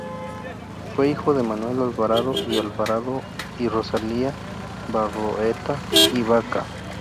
Fue hijo de Manuel Alvarado y Alvarado y Rosalía Barroeta y Baca.